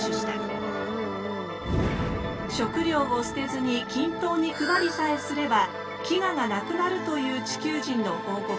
食料を捨てずに均等に配りさえすれば飢餓がなくなるという地球人の報告も。